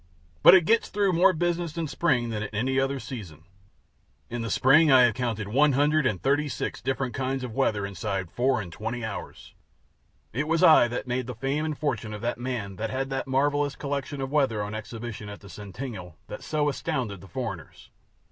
But it gets through more business in spring than in any other season. In the spring I have counted one hundred and thirty six different kinds of weather inside of four and twenty hours. It was I that made the fame and fortune of that man that had that marvelous collection of weather on exhibition at the Centennial, that so astounded the foreigners.